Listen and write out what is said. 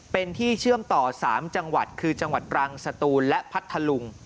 เป็นที่เชื่อมต่อ๓จังหวัดคือจังหวัดตรังสตูนและพัทธลุง